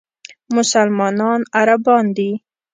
مسلمانانو عربان دي.